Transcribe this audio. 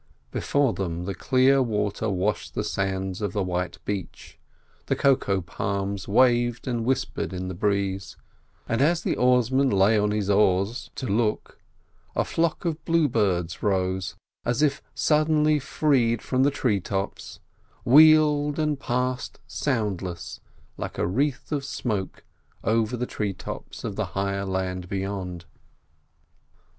Before them the clear water washed the sands of a white beach, the cocoa palms waved and whispered in the breeze; and as the oarsman lay on his oars to look a flock of bluebirds rose, as if suddenly freed from the tree tops, wheeled, and passed soundless, like a wreath of smoke, over the tree tops of the higher land beyond.